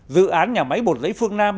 dự án nhà máy bột giấy phương nam